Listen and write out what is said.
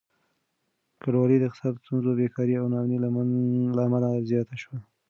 کډوالي د اقتصادي ستونزو، بېکاري او ناامني له امله زياته شوه.